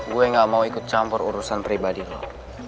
gue gak mau ikut campur urusan pribadi loh